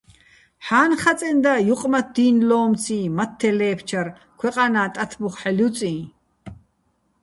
ჰ̦ა́ნნ ხაწენდა ჲუყმათთდი́ნლო́მციჼ მათთე ლე́ფჩარ, ქვეყანა́ ტათბუხ ჰ̦ალო̆ ჲუწიჼ!